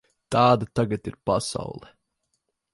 Tāda tagad ir pasaule.